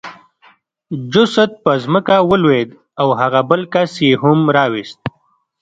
جسد په ځمکه ولوېد او هغه بل کس یې هم راوست